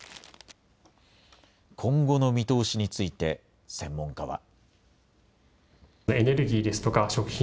今後の見通しについて、専門家は。